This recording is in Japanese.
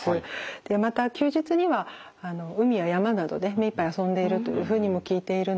でまた休日には海や山などで目いっぱい遊んでいるというふうにも聞いているので。